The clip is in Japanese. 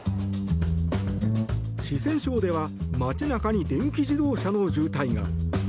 四川省では街中に電気自動車の渋滞が。